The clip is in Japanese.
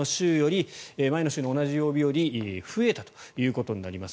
前の週の同じ曜日より増えたということになります。